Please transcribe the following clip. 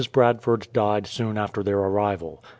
Bradford died soon after their arrival.